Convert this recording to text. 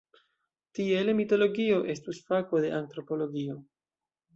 Tiele "mitologio" estus fako de antropologio.